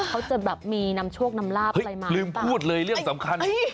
เขาจะแบบมีนำโชคนำลาบอะไรมาลืมพูดเลยเรื่องสำคัญ